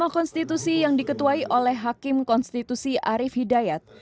mahkamah konstitusi yang diketuai oleh hakim konstitusi arief hidayat